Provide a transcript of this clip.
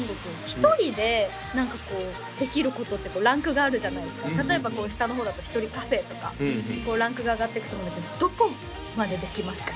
一人でできることってランクがあるじゃないですか例えば下の方だとひとりカフェとかこうランクが上がってくと思うんだけどどこまでできますか？